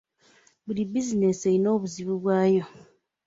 Buli bizinesi eyina obuzibu bwayo.